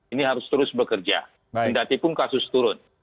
ini harus terus bekerja tidak tipung kasus turun